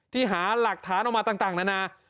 หาหลักฐานออกมาต่างนานา